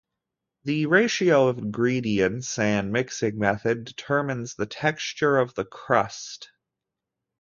The ratio of ingredients and mixing method determines the texture of the crust.